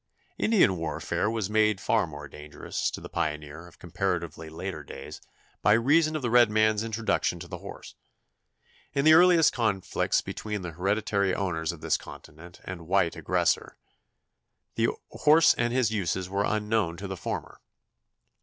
Indian warfare was made far more dangerous to the pioneer of comparatively later days by reason of the red man's introduction to the horse. In the earliest conflicts between the hereditary owners of this continent and the white aggressor, the horse and his uses were unknown to the former.